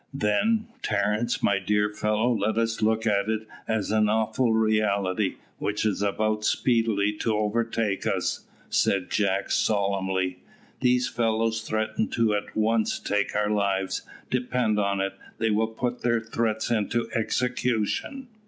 "Then, Terence, my dear fellow, let us look at it as an awful reality, which is about speedily to overtake us," said Jack solemnly. "These fellows threaten to at once take our lives; depend on it, they will put their threats into execution."